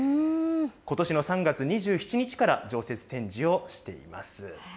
ことしの３月２７日から常設展示をしています。